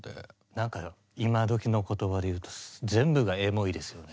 何か今どきの言葉で言うと全部がエモいですよね。